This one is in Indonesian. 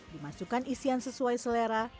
dimasukkan isian sesuai selera